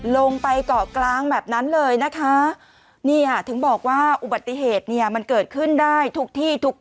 ลงไปเกาะกลางแบบนั้นเลยนะคะถึงบอกว่าบัติเหตุมันเกิดขึ้นได้ทุกที่ทุกเวลา